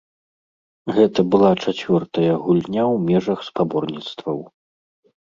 Гэта была чацвёртая гульня ў межах спаборніцтваў.